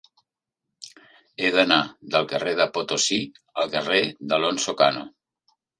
He d'anar del carrer de Potosí al carrer d'Alonso Cano.